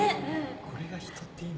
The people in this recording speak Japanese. これが人って意味なんだ。